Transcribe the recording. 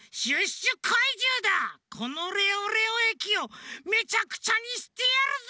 このレオレオ駅をめちゃくちゃにしてやるぞ！